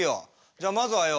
じゃあまずはよ